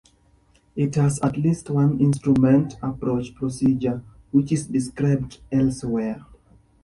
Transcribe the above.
It has at least one Instrument Approach Procedure, which is described elsewhere.